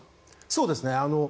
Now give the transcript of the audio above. そうですね。